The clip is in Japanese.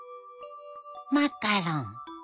マカロン。